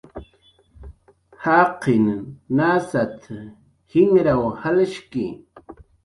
"Jaqin nasat"" jinraw jalshki"